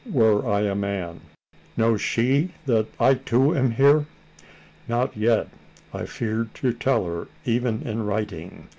Were I a man Knows she that I too am here?" "Not yet. I feared to tell her, even in writing.